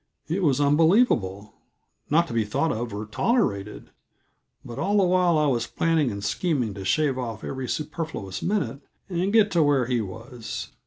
It was unbelievable; not to be thought of or tolerated. But all the while I was planning and scheming to shave off every superfluous minute, and get to where he was.